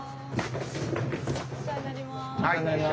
お世話になります。